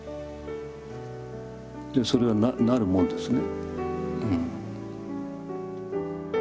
でもそれはなるもんですね。